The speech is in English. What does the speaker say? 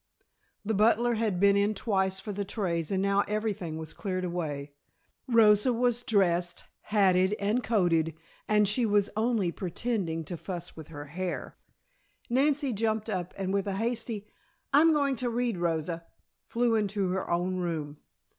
The butler had been in twice for the trays and now everything was cleared away. Rosa was dressed, hatted and coated, and she was only pretending to fuss with her hair. Nancy jumped up and with a hasty "I'm going to read, Rosa," flew into her own room.